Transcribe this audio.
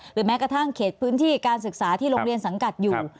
แม้กระทั่งเขตพื้นที่การศึกษาที่โรงเรียนสังกัดอยู่